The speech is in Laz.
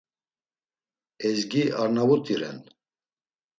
Ezgi Arnavut̆i ren.